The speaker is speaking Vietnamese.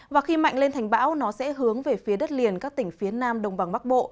và khi mạnh lên thành bão nó sẽ hướng về phía đất liền các tỉnh phía nam đông bằng bắc bộ